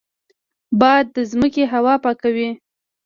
باد د ځمکې هوا پاکوي